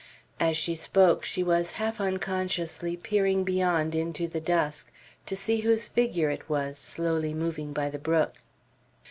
As she spoke, she was half unconsciously peering beyond into the dusk, to see whose figure it was, slowly moving by the brook.